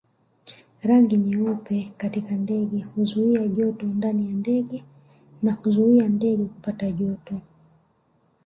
Rangi nyeupe katika ndege huzuia joto ndani ya ndege na huizuia ndege kupata joto